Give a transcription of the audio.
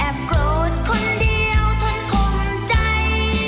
แอบเจ็บคนเดียวแอบโกรธคนเดียวทนคมใจ